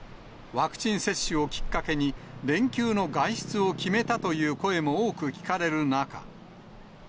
ワクチン接種をきっかけに、連休の外出を決めたという声も多く聞かれる中。